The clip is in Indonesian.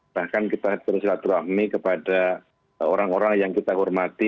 bahkan kita bersilaturahmi kepada orang orang yang kita hormati